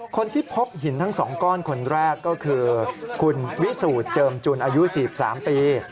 คนที่พบหินทั้ง๒ก้อนคนแรกก็คือคุณวิสูจน์เจิมจุนอายุ๔๓ปี